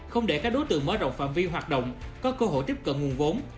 không để các đối tượng mở rộng phạm vi hoạt động có cơ hội tiếp cận nguồn vốn